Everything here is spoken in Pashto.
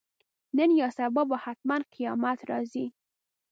نن یا سبا به حتماً قیامت راځي.